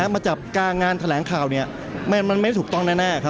มาจับกลางงานแถลงข่าวมันไม่ถูกต้องแน่